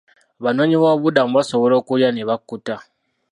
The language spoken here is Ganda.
Abanoonyi b'obubudamu baasobola okulya ne bakkuta.